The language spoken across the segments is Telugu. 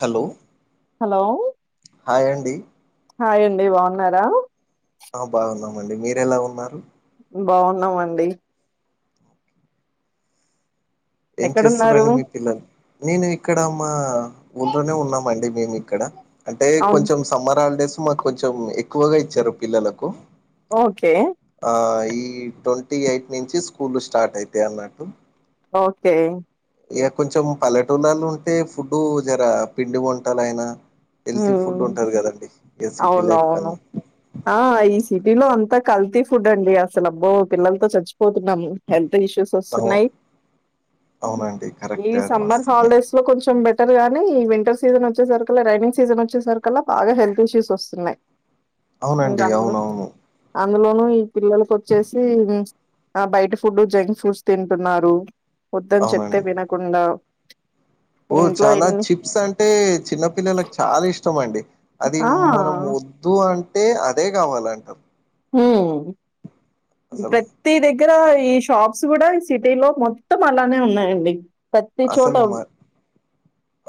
హలో హలో హాయ్ అండి హాయండి బాగున్నారా ఆ బాగున్నామండి మీరెలా ఉన్నారు బాగున్నామండి ఏం ఎక్కడున్నారు చేస్తున్నారండి మీ పిల్లలు నేను ఇక్కడ మా ఊర్లోనే ఉన్నామండి మేము ఇక్కడ అంటే అవును కొంచెం సమ్మర్ హాలిడేస్ మా కొంచెం ఎక్కువగా ఇచ్చారు పిల్లలకు ఓకే ఆ ఈ ట్వంటీ ఎయిట్ నిం చి స్కూల్ స్టార్ట్ అయితే అన్నట్టు ఓకే ఇగ కొంచెం పల్లెటూళ్ళల ఉంటే ఫుడ్ జరా పిండి వంటలు ఆయినా ఊ సిటీ లైఫ్ అవునవును కన్నా ఆ ఈ సిటీలో అంతక్ కల్తీ ఫుడ్ అండి అసలు అబ్బో పిల్లలతో చచ్చిపోతున్నాము హెల్త్ ఇష్యూస్ అవు వస్తున్నాయి అవునండి ఈ కరెక్టే సమ్మర్ వాస్తవమే హాలిడేస్ లో కొంచెం బె ఇంటర్ గాని ఈ వింటర్ సీజన్ వచ్చేసరికిలా రైనింగ్ సీజన్ వచ్చేసరికలా బాగా హెల్త్ ఇష్యూస్ వస్తున్నాయి అవునండి అవునవును అందులోను ఈ పిల్లలకొచ్చేసి ఆ బయట ఫుడ్డు జంక్ ఫుడ్స్ తింటున్నారు వద్దని చెప్తే అవునండి వినకుండా ఓ ఇంట్లో చాలా ఎన్ని చిప్స్ అంటే చిన్నపిల్లలకు చాలా ఇష్టం అండి అది ఆ! మనం ఒద్దు అంటే అదే కావాలంటరు. ఊ అసలు ప్రతి దగ్ దగ్గర ఈ షాప్స్ కూడా ఈ సిటీ లో మొత్తం అలానే ఉన్నాయండి. ప్రతి చోట అసలు మ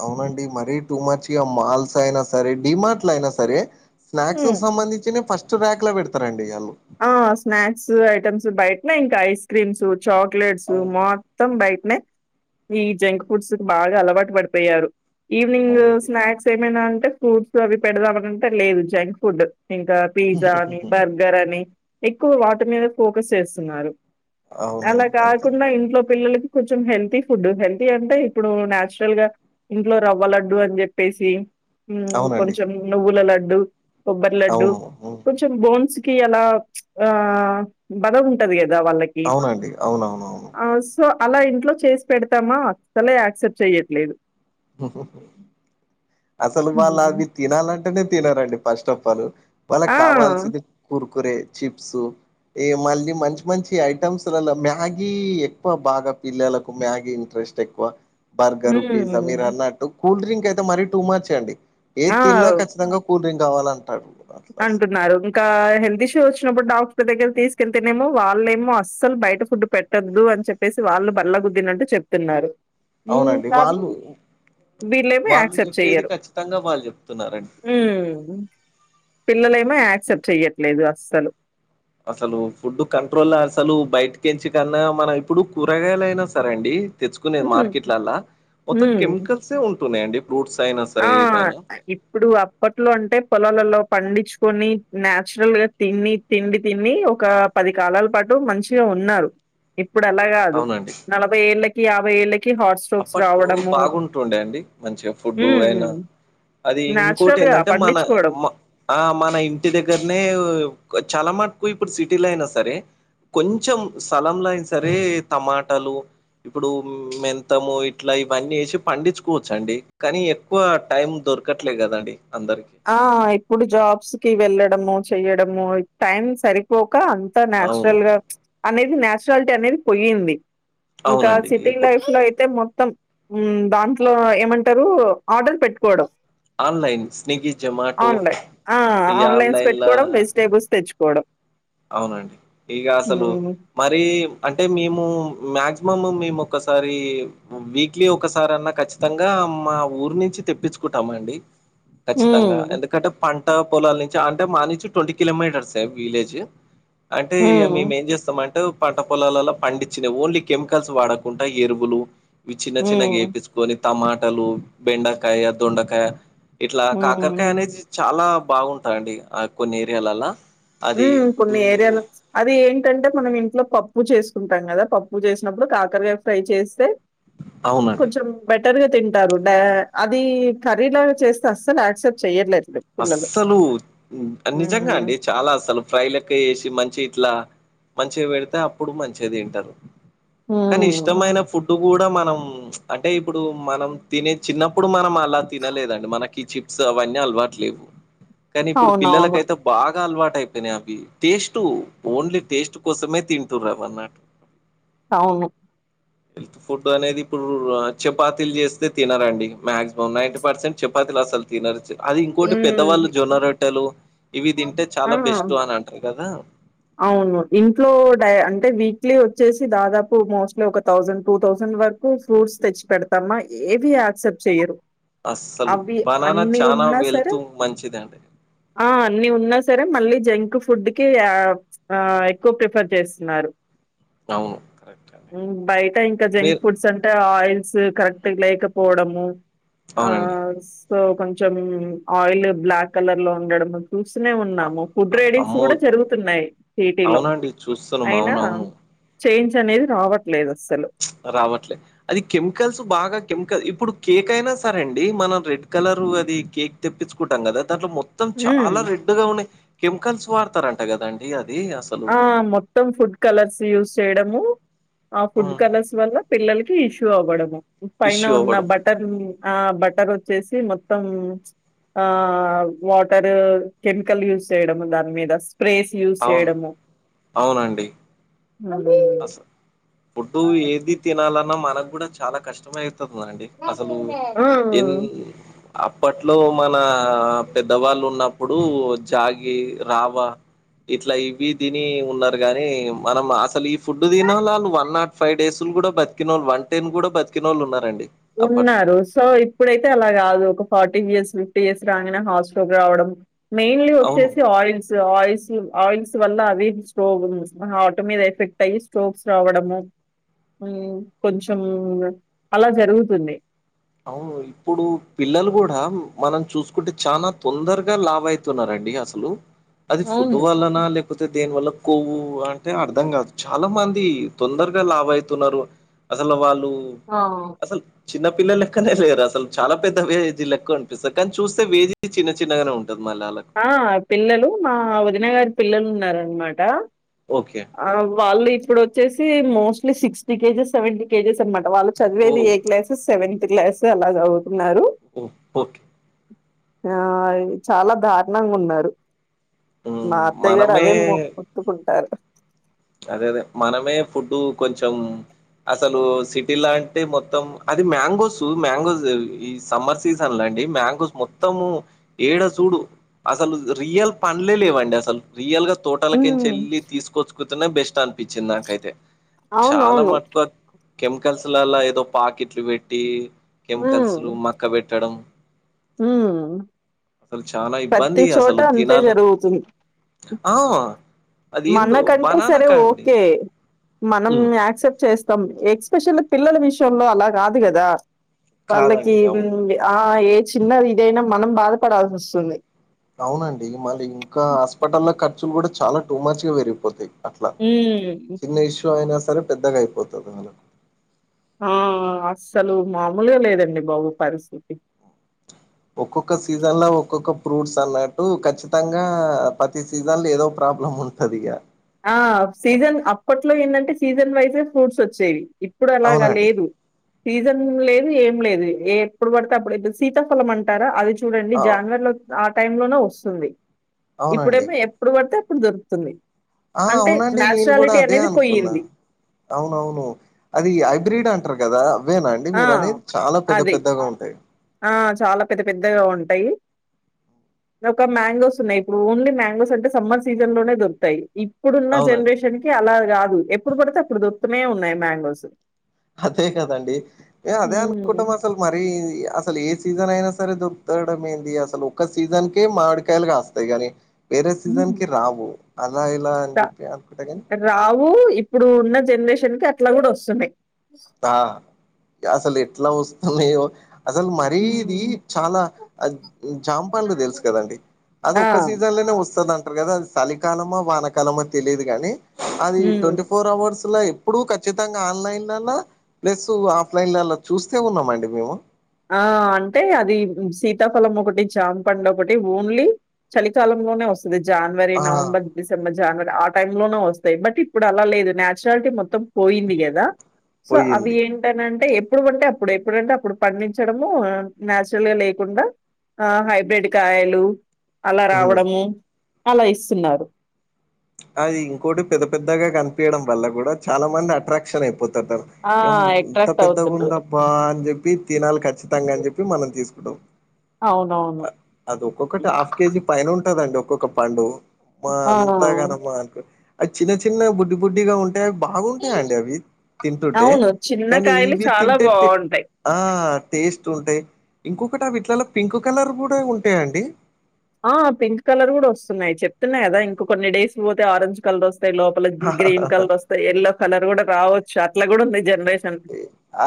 అవునండి మరీ టూ మచ్ ఇగ మాల్స్ అయినా సరే డిమార్ట్ అయినా సరే స్నాక్స్ కు హ్మ్. సంబంధించినయ్ ఫస్ట్ ట్ ర్యాక్ ల పెడతరండి వాళ్ళు బయట్నె ఇంక ఐస్ క్రీమ్స్ చాక్లెట్స్ అవును మొత్తం బయట్ నె ఈ జంక్ ఫుడ్స్ బాగా అలవాటు పడిపోయారు. ఈవినింగ్ అవునండి స్నాక్స్ ఏమైనా అంటే ఫ్రూట్స్ అవి పెడదామని అని అంటే లేదు జంక్ ఫుడ్డు. ఇంకా పిజ్జా అని బర్గర్ అని ఎక్కువ వాటి మీద ఫోకస్ చేస్తున్నారు. అల అవునండి అది కరెక్ట్ కాకుండా ఇంట్లో పిల్లలకి కొంచెం హెల్తీ ఫుడ్ హెల్తీ అంటె ఇప్పుడు నాచురల్ గా ఇంట్లో రవ్వ లడ్డు అని చెప్పేసి అవునండి కొంచెం నువ్వుల లడ్డు, కొబ్బరి లడ్డు, అవును హ్మ్. కొంచెం బోన్స్ కి అలా ఆ బద ఉంటది కద బాదం లకి అవునండి ఆ అవునవునవును సో [inaudible] అల ఇంట్లో చేసి పెడతామా అసలే యాక్సెప్ట్ చెయట్లేదు ఓహో అసలు వాళ్ళ హ్మ్. అది తినాలని అంటనె తినరండి ఫస్ట్ ఆఫ్ ఆల్ వాళ్ళకి ఆ! కావాల్సింది కూర్కురే చిప్సు ఇగ మళ్ళీ మంచి మంచి ఐటమ్స్ లల్ల మ్యాగీ ఎక్కువ బాగ పిల్లలకు మ్యాగీ ఇంట్రె ఇంట్రెస్ట్ ఎక్కువ బర్గరు, పిజ్జా మీరు హ్మ్. అన్నట్టు కూల్ డ్రింక్ అయితే మరీ టూ మచ్ అండి ఏది ఆ! తిన్నా ఖచ్చితంగా కూల్ డ్రింక్ కావాల అంటరు అంటున్నారు ఇంకా హెల్త్ ఇష్యూ అచ్చినప్పుడు డాక్ ర్ దగ్గర తీసుకెళ్తేనేమో వాళ్ళేమో అస్సలు బయట ఫుడ్ పెట్టద్దు అని చెప్పేసి వాళ్ళు బల్ల గుద్దిన్నట్టు చెప్ చెప్తున్నారు అవునండి వాళ్ళు వీళ్లేమో వాళ్ళు యాక్సెప్ట్ చెప్పేది చెయ్యరు ఖచ్చితంగా వాళ్ళు చెప్తున్నారండి ఉమ్ పిల్లలేమో యాక్సెప్ట్ చెయ్యట్లేదు అస్సలు అసలు ఫుడ్ కంట్రోల్ అసలు బయటక ఎంచికన్నా మనం ఇప్పుడు కూరగాయలయినా సరెండి తెచ్చుకునేది హ్మ్. మార్కెట్లల్ల మొత్తం హ్మ్. కెమికల్సే ఉంటున్నాయండి. ఫ్రూట్స్ అయినా సరే ఆ ఏవైనా ఇప్పుడు అప్పట్లో అంటె పొలాలల్లో పండిచుకొని న్యాచురల్ గా తిని తిండి తిని ఒక పది కాలాల పాటు మంచిగ ఉన్నారు ఇప్పుడు అలా కాదు అవునండి నలభై ఏళ్ళకి యాభై ఏళ్ళకి కి హాట్ స్ట్రోక్స్ అప్పట్లో రావడము బాగుంటుండే అండి మంచిగా ఫుడ్ ఊమ్ అయినా అది ఇంకోటి ఎందంటె మన మ ఆ మన ఇంటి దగ్గరనే కొన్ చాలా మటుకు ఇప్పుడు సిటీలో అయినా సరే కొంచెం స్థలంలో అయిన సరే టమాటలు ఇప్పుడు మెంత్ మొత్తము ఇట్ల ఇవన్నీ వేసి పండించుకోవచ్చ అండి కానీ ఎక్కువ టైం దొరకట్లే కదండి అందరికి ఆ ఇప్పుడు జాబ్స్ కి వెళ్ళడము చెయ్యడము టైం సరిపో క అంత అవును నాచురల్ గా అనేది న్యాచురాలిటీ అనేది పోయింది. ఇంకా అవునండి సిటింగ్ ఇప్పుడు లైఫ్ లో అయితే మొత్ మొత్తం ఉమ్ దాంట్లో ఏమంటరు ఆర్డర్ పెట్టుకోవడం. Online Swiggy Zomato online. ఆ! ఇగ ఆన్‌లైన్స్ ఆన్లైన్ ల పెట్టుకోవడం, వెజిటబుల్స్ తెచ్చుకోవడం. అవునండి ఇక అసలు హ్మ్. మరీ అంటె మేము మ్యాక్ మం మేము ఒక్కసారి వీక్లీ ఒకసారి అన్న కచ్చితంగా మా ఊరు నుంచి తెప్పించు కుంటమండి హ్మ్. ఖచ్చితంగా ఎందుకంటె పంట పొలాల నుంచి అంటె మా నుంచి ట్వంటీ కిలోమీటర్స్ ఎ విలేజ్ అంటే ఇగ హ్మ్. మేము ఏం చేస్తమంటె పంట పొలాలల్ల పండించినయి ఓన్లీ కెమికల్స్ వాడకుండ ఎరువులు ఇవి చిన్న చిన్నగ హ్మ్. ఏపించుకొని టమాటలు బెండకాయ, దొండకాయ ఇట్లా కాకరకాయ హ్మ్. అనేది చాలా బాగుంటదండి ఆ కొన్ని ఏరియాలల్ల అది హ్మ్. కొన్ని హ్మ్ ఏరియాలు అదె ఇగ ఏంటంటే మనం ఇంట్లో పప్పు చేసుకుంటం కద పప్పు చేసినప్పుడు కాకరగాయ ఫ్రై చేస్తే అవునండి. కొంచెం బట్ త్వరగ తింటారు బా అది కర్రీలాగా చేస్తే అస్సలు యాక్సెప్ట్ చెయ్యట్లేదు పిల్లలు. అస్సలు నిజంగా హ్మ్. అండి చాలా అస్సలు ఫ్రై లెక్క చేసి మంచి ఇట్ల మంచిగ పెడితే అప్పుడు మంచిగ తింటరు కానీ హ్మ్. ఇష్టమైన ఫు ప్పుడు కూడా మనం అంటే ఇప్పుడు మనం తినే చిన్నప్పుడు మనం అలా తినలేదండి మన కి చిప్స్ అవన్నీ అలవాటు లేవు కానీ ఇప్పుడు అవునవును. పిల్లలకైతే బాగ అలవాటు టైపోయినాయి అవి టేస్ట్ ఓన్లీ టేస్ట్ కోసమే తింటుర్రు ఆ అవును హెల్త్ ఫుడ్ అనేది ఇప్పుడు చపాతీలు చేస్తే తినరాండి మాక్సిమం నైన్టి పర్సెంట్ చే పతిలు అసలు తినరు చిర కోటి పెద్దవాళ్ళు హ్మ్. జొన్న రొట్టెలు ఇవి తింటే ఆ చాలా బెస్ట్ అని అంటారు కదా అవును ఇంట్లో డయ్ అంటే వి క్లి వచ్చేసి దాదాపు మోస్ట్లీ ఒక థౌసండ్ టూ థౌసండ్ వరకు ఫ్రూట్స్ తెచ్చి పెడుతామా ఏది అక్సప్ చెయ్యరు అస్సలు అవి బనానా అన్ని చానా ఉన్నా సరే వెళ్తూ మంచిదండి ఆ అన్ని ఉన్నా సరే మళ్ళీ జంక్ ఫుడ్ కి అ ఎక్కువ ప్రిఫర్ చేస్తున్నారు అవును కరెక్ట్ అండి మ్ బయట ఇంకా జంక్ మీరు ఫుడ్స్ అంటే ఆయి ల్స్ కరెక్ట్ లేకపోడము అ అవునండి సో కొంచెం ఆయిల్ బ్లాక్ కలర్ లో ఉండడం చూస్తూనే అ- ఉన్నాము ఫుడ్ అ- రేడింగ్స్ అమ్మో కూడా జరుగుతున్నాయి సిటీలో అవునండి చూస్తున్నాం అయినా అవునవును చేంజ్ అనేది రావట్లేదు అ రావట్లేదు అది కెమికల్స్ బాగా కెమికల్ ఇప్పుడు కేక్ అయినా సరే అండి మన రెడ్ కలరు అది కేక్ తెప్పించుకుంటాం కదా దాంట్లో మొత్తం హ్మ్. చాలా రెడ్గా ఉన్నాయి కెమికల్స్ వాడతారంట కదా అండి అది అసలు ఆ మొత్తం ఫుడ్ కలర్స్ యూజ్ చేయడము ఆ ఫుడ్ ఉమ్. కలర్స్ వల్ల పిల్లల కి ఇష్యూ అవ్వడ పైన ఇష్యూ ఉన్న అవ్వడం బటన్ ఆ బట్ టరోచ్చేసి మొత్తం ఆ వాటర్ కెమికల్ యూస్్ చేయడము దాని మీద స్ప్రేస్ యూస్్ అవును చేయడము అవునండి అసలు ఫుడ్డు ఏది తినాలన్నా మనకు కూడా చాలా కష్టమైతు ది అండి అసలు ఆ! ఎన్ అప్పట్లో మన పెద్దవాళ్ళు ఉన్నప్పుడు జాగి రావా ఇట్లా ఇవి తిని ఉన్నారు గాని మనం అసలు ఈ ఫుడ్ తినళ్ళు వాళ్ు వన్ నాట్ ఫైవ్ డేస్ కూడా బతికినోళ్ళు వన్ టైన్ కూడా బతికినోళ్ళు ఉన్నారండి అప్పట్లో ఉన్నారు సో ఇప్పుడైతే అలా కాదు ఒక ఫార్టీ ఇయర్స్ ఫిఫ్టీ ఇయర్స్ రాగానే హార్ట్ స్ట్రాక్ రావడం మెయిన్లీ అవును వచ్చేసి ఆయిల్స్ ఆయిల్స్ ఆయిల్స్ వల్ల అవి స్టో హార్ట్ మీద ఎఫెక్ట్ అయి స్ట్రోక్స్ రావడము మ్ కొంచెం అలా జరుగుతుంది అవును ఇప్పుడు పిల్లలు కూడా మనం చూసుకుంటే చాలా తొందరగా లావైతున్నరం ండి అసలు అది ఫుడ్ అవును. వాళ్ళనా లేకపో తే దేని వల్ల కొవ్వు అంటే అర్థం కాదు చాలా మంది తొందరగా లావైతున్నారు అసలు వాళ్ళు ఆ అసలు చిన్నపిిల్లలే లేక్కనే లేరు అసలు చాలా పెద్ద ఏజ్ లెక్క అనిపిస్తాది కానీ చూస్తే ఏజ్ చిన్న చిన్నగానే ఉం ఆ పిల్లలు మా వదిన గారి పిల్లలు ఉన్నారన్నమాట ఓకే అ వాళ్ళు ఇప్పుడు వచ్చేసి mostly sixty kgs seventy kgs అన్నమాట వాళ్ళు ఓ చదివేది ఏ క్లాస్ సెవెంత్ క్లాస్ అలా చదువుతున్నారు మ్ మ్ ఆ చాలా దారుణంగా ఉన్నారు మా హ్మ్. అత్తయ్య గారు మనమే అదే ముత్తుకుంటారు అదే అదే మనమే ఫుడ్ కొంచం అసలు సిటీ లా అంటే మొత్తం అది మ్యాంగోస్ మ్యాంగోస్ ఈ సమ్మర్ సీజన్ లా మ్యాంగోస్ మొత్తము ఏడ చూడు అసలు రియల పండ్లే లేవండి అసలు రియల్ గా తోటలకంచి ఉమ్ వెళ్లి తీసుకొచ్చు బెస్ట్ అనిపించింది నాకైతే చాలా అవునవును మట్టుకో కెమికల్స్లలా ఏదో పాకెట్లు పెట్టి కెమికల్స్లు మక్క పెట్టడం హ్మ్ అసలు చాలా ఇబ్బంది అసలు తినాల జరుగుతుంది ఆ అది ఏందో మనకంటే సరే బనానాకా అండి ఓకే మనం హ్మ్. యాక్సెప్ట్ చేస్తాం ఎక్స్ప్రెషన్ పిల్లల విషయంలో అలా కాదు కదా వాళ్ళకి కాదండి అవును ఆ ఏ చిన్న ఇదైనా మనం బాధపడాల్సి వస్తుంది అవునండి మళ్ళీ ఇంకా హాస్పిటల్ లో ఖర్చులు కూడా చాలా టూ మచ్ గా పెరిగిపోతాయి అట్లా హ్మ్ చిన్న ఇష్యూ అయినా సరే పెద్దగా అయిపోతది మల్ల ఆ అస్సలు మామూలుగా లేదండి బాబు పరిస్థితి ఒక్కొక్క సీజన్ లో ఒక్కొక్క ఫ్రూట్స్ అన్నట్టు ఖచ్చితంగా ప్రతి సీజన్ లో ఏదో ప్ర ప్రాబ్లం ఉంటది ఇగ ఆ సీజన్ అప్పట్లో ఏంటంటే సీజన్ వైజే ఫ్రూట్స్ వచ్చేవి ఇప్పుడు అలాగా అవునండి లేదు సీజన్ లేదు ఏం లేదు ఏ ఎప్పుడు పడితే అప్పుడే సీతాఫలం అంటారా అది చు చూడండి అవు జనవరిలో ఆ టైమ్ లోనే వస్తుంది. అవునండి ఇప్పుడేమో ఎప్పుడు పడితే ఎప్పుడు దొరుకుతుంది ఆ అంటే అవునండి నేను కూడా నాచురాలిటీ అదే అనేది అనుకున్నా పోయింది. అవునవును అది హైబ్రిడ్ అం అంటరు కదా అవేనా అండి ఆ మీరు అనేది చాలా పెద్ద అది పెద్దగా ఉంటాయి ఆ చాలా పెద్ద పెద్దగా ఉంటాయి ఒక మ్యాంగోస్ ఉన్నాయి. ఇప్పుడు ఓన్లీ మ్యాంగోస్ అంటే సమ్మర్ సీజన్ లోనే దొరుకుతాయి. ఇప్పుడున్న అవునండి జనరేషన్ కి అలా కాదు ఎప్పుడు పడితే అప్పుడు దొరుకుతానే ఉన్నాయి మ్యాంగోస్ అదే కదండి అదే హ్మ్. అనుకుంటాం అసలు మరి అసలు ఏ సీజన్ అయినా సరే దొరకతడం ఏంది అసలు ఒక్క సీజన్కే మామిడికాయలు కాస్తాయి గాని వేరే సీజన్ కి హ్మ్. రావు అలా ఇలా అని చెప్పి అనుకుంటా కాని రావు ఇప్పుడు ఉన్న జనరేషన్ కి అట్లా కూడా వస్తున్నాయి. త అసలు ఎట్లా వస్తున్నాయో అసలు మరీ ఇది హ్మ్. చాలా జామపండ్లు తెలుసు కదండి అది ఆ! ఒక్క సీజన్లనే వస్తదం కదా అది చలికాలమో వానకాలమో తెలియదు కాని అది హ్మ్. ట్వంటీ ఫోర్ అవర్స్ లో ఇప్పుడు ఖచ్చితంగా ఆన్లైన్లలా ప్లస్ ఆఫ్లైన్ లలా చూస్తే ఉన్నాము అండి మేము ఆ అంటే అది సీతాఫలం ఒకటి జామపండు ఒకటి ఓన్లీ చలికాలంలోనే వస్తుంది జనవరి ఆ నవంబర్ డిసెంబర్ జనవరి ఆ టైం లోనే వస్తాయి బట్ ఇప్పుడు అలా లేదు నన్చురాలిటీ మొత్తం పోయింది కదా సో అవి పోయింది ఏంటనంటే ఎప్పుడు అంటే అప్పుడు ఎప్పుడంటే అప్పుడు పండించడము నాచురల్ గా లేకుండా ఆ హైబ్రిడ్ కాయలు అలా ఉమ్ రావడము అలా ఇస్తున్నారు. అది ఇంకోటి పెద్ద పెద్దగా కనిపయడం వల్ల కూడా చాలా మంది అట్రాక్షన్ అయిపో ఆ! ఏం ఇంత అట్రాక్ట్ పెద్దగా అవుతున్నారు. ఉందబ్బా అని చెప్పి తినాలి కచ్చితంగా అని చెప్పి మనం తీసుకుంటం అవునవును. అది ఒక్కొక్కటి హాఫ్ కేజీ పైన ఉంటదండి ఒక్కొక్క పండు [unintelligible] అది చిన్న చిన్న బుడ్డి బుడ్డిగా అవి బాగుంటాయిండి అవి తింటుంటే అవును. చిన్న కానీ కాయలు ఇవి చాలా తింటే బావుంటాయి. ఆ టేస్ట్ ఉంటాయి ఇంకొకటి వీట్లలో పింక్ కలర్ కూడ ఉంటాయండి ఆ పింక్ కలర్ కూడ వస్తున్నాయి చెప్తున్న కదా ఇంక కొన్ని డేస్ పోతే ఆరెంజ్ కలర్ ఒ లోపల గ్రీన్ కలర్ వస్తాయి ఎల్లో కలర్ కూడ రావచ్చు అట్లా కూడ [unintelligible]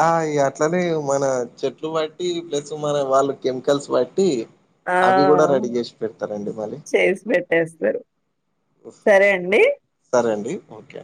ఆ అట్లనే మన చెట్లు [unintelligible] ప్లస్ మన వాళ్ళు కెమికల్స్ బట్టి ఆ! అవి కూడ రెడీ చేసి పెడతారండి మల్లి చేసి పెట్టేస్తారు. సరే అండి. సరే అండి ఓకే